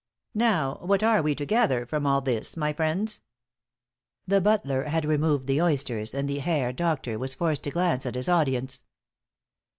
"Now, what are we to gather from all this, my friends?" The butler had removed the oysters, and the Herr Doctor was forced to glance at his audience.